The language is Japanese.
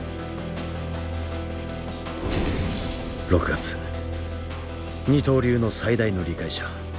６月二刀流の最大の理解者